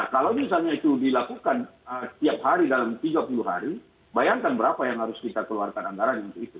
kalau misalnya itu dilakukan setiap hari dalam tiga puluh hari bayangkan berapa yang harus kita keluarkan anggaran untuk itu